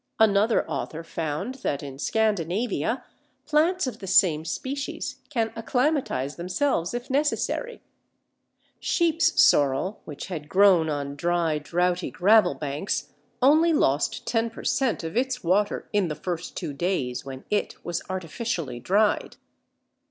Another author found that, in Scandinavia, plants of the same species can acclimatize themselves if necessary. Sheep's Sorrel which had grown on dry, droughty gravel banks only lost 10 per cent. of its water in the first two days, when it was artificially dried.